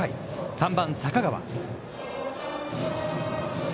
３番・坂川。